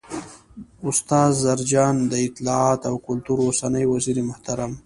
، استاد زرجان، د اطلاعات او کلتور اوسنی وزیرمحترم